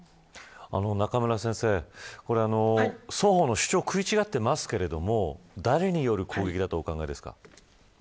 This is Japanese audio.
中村先生、これは双方の主張は食い違っていますが誰による攻撃だと考えていますか。